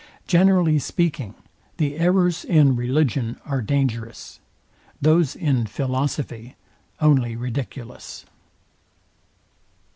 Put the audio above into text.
Generally speaking, the errors in religion are dangerous; those in philosophy only ridiculous.